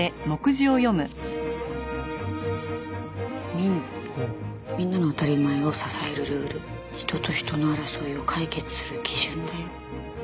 「民法みんなの“あたりまえ”を支えるルール」「人と人の争いを解決する基準だよ！」